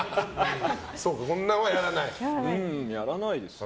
こんなんはやらない？